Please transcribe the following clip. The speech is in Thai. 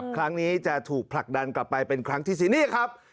ครั้งนี้จะถูกผลักดันกลับไปเป็นครั้งที่๔นี่ครับ